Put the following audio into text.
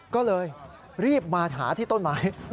ก็เลยรีบมาหาที่ต้นไม้